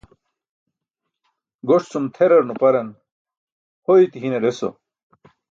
Goṣ cum tʰerar nuparan ho iti hinar eso.